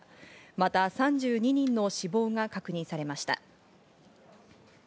また３２人の死亡が確認されました。